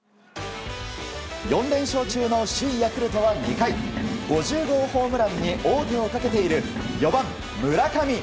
４連勝中の首位ヤクルトは２回５０号ホームランに王手をかけている４番、村上。